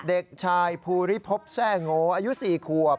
เด็กชายภูริพบแทร่โงอายุ๔ขวบ